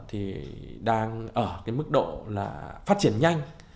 thì đang ở cái mức độ là phát triển nhanh